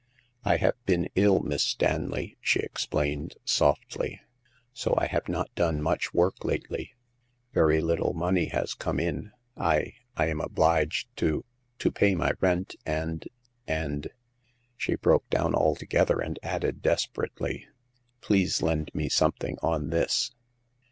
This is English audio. " I have been ill, Miss Stanley," she explained, softly, " so I have not done much work lately. Very little money has come in. I — I am obliged to— to pay my rent and— aud '' S\v^ Vvlc^^^ 156 Hagar of the Pawn Shop. down altogether, and added desperately :Please lend me something on this."